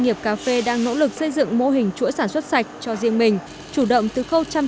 nghiệp cà phê đang nỗ lực xây dựng mô hình chuỗi sản xuất sạch cho riêng mình chủ động từ khâu chăm